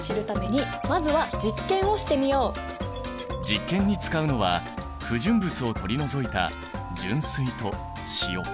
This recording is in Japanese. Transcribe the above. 実験に使うのは不純物を取り除いた純水と塩。